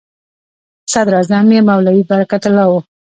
صدراعظم یې مولوي برکت الله و.